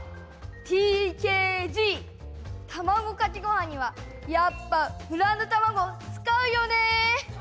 ＴＫＧ卵かけご飯にはやっぱブランド卵使うよね！